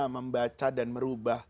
membaca dan merubah